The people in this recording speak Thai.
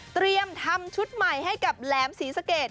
เตรียมทำชุดใหม่ให้กับแหลมศรีสะเกด